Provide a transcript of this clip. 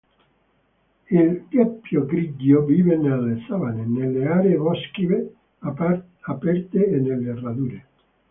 Il gheppio grigio vive nelle savane, nelle aree boschive aperte e nelle radure.